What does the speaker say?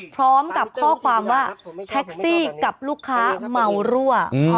พร้อมกับข้อความว่าแท็กซี่กับลูกค้าเมารั่ว